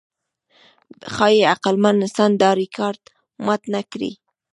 ښایي عقلمن انسان دا ریکارډ مات نهکړي.